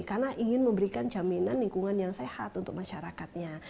karena ingin memberikan jaminan lingkungan yang sehat untuk masyarakatnya